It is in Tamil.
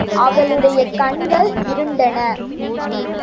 அவளுடைய கண்கள் இருண்டன.